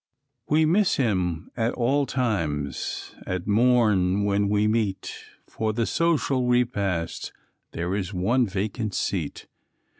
We miss him at all times, at morn when we meet, For the social repast, there is one vacant seat.